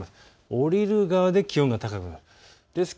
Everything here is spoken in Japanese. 降りる側で気温が高くなります。